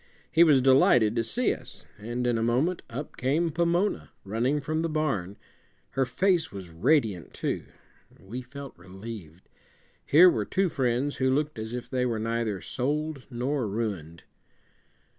He was delighted to see us, and in a moment up came Pomona, running from the barn. Her face was radiant, too. We felt relieved. Here were two friends who looked as if they were neither sold nor ruined.